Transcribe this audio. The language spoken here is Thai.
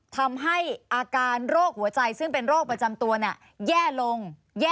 ทำให้อาการโรคหัวใจซึ่งเป็นโรคประจำตัวแย่ลง